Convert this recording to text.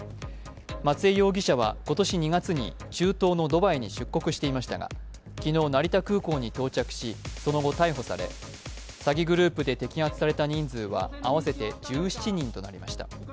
松江容疑者は今年２月に中東のドバイに出国していましたが昨日、成田空港に到着し、その後、逮捕され詐欺グループで摘発された人数は合わせて１７人となりました。